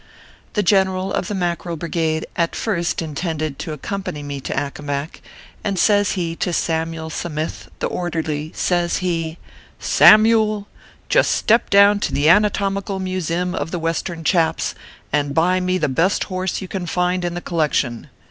The General of the Mackerel Brigade at first in tended to accompany me to Accomac ; and says he to Samynle Sa mith, the orderly, says he :" Samyule ! just step down to the anatomical museum of the Western chaps, and buy me the best horse you can find in the collection.